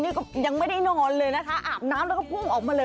นี่ก็ยังไม่ได้นอนเลยนะคะอาบน้ำแล้วก็พุ่งออกมาเลย